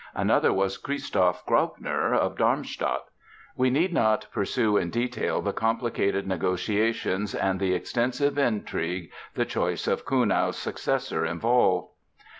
Another was Christoph Graupner of Darmstadt. We need not pursue in detail the complicated negotiations and the extensive intrigue the choice of Kuhnau's successor involved.